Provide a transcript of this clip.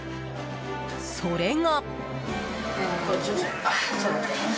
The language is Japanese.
それが。